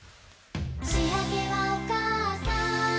「しあげはおかあさん」